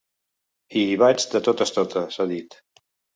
I hi vaig de totes totes, ha dit.